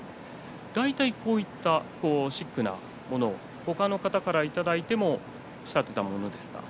大体こういったシックなもの他の方からもらって仕立てたものですか？